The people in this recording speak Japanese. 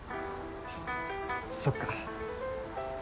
そっか。